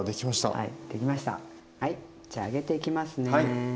はいじゃあ揚げていきますね。